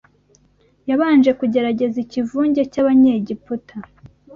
Yabanje kugerageza ikivunge cy’Abanyegiputa